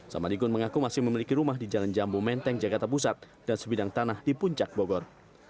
samadikun mengaku masih memiliki rumah di jalan jambu menteng jakarta pusat dan sebidang tanah di puncak bogor